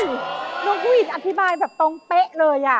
น้องผู้หญิงอธิบายแบบตรงเป๊ะเลย